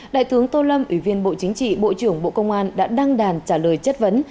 đại tướng tô lâm ủy viên bộ chính trị bộ trưởng bộ công an đã đăng đàn trả lời chất vấn